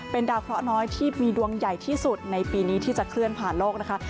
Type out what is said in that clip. เป็นดาวเคราะห์น้อยที่มีดวงใหญ่ที่สุดในปีนี้ที่จะเคลื่อนผ่านโลกนะคะ